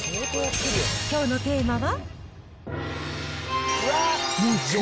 きょうのテーマは？